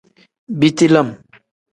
Biti lam.